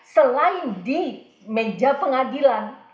selain di meja pengadilan